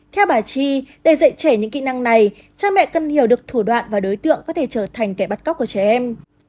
theo bà chi để dạy trẻ những kỹ năng này cha mẹ cần hiểu được thủ đoạn và đối tượng có thể trở thành kẻ bắt cóc của trẻ em